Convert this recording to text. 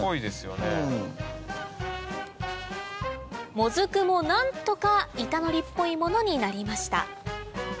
モズクも何とか板のりっぽいものになりました